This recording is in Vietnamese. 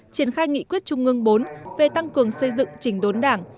triển khai nghị quyết trung ương bốn về tăng cường xây dựng trình đốn đảng